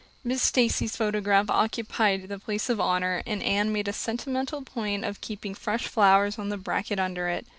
Miss Stacy's photograph occupied the place of honor, and Anne made a sentimental point of keeping fresh flowers on the bracket under it.